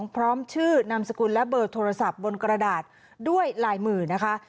พร้อมชื่อนามสกุลและเบอร์โทรศัพท์บนกระดาษด้วยลายมือนะคะ